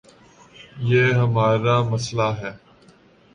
یہ ہمار امسئلہ ہے۔